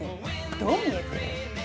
どう見える？